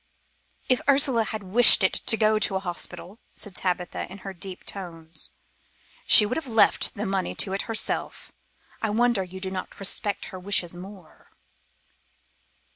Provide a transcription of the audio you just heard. "If Ursula had wished it to go to a hospital," said Tabitha in her deep tones, "she would have left the money to it herself. I wonder you do not respect her wishes more."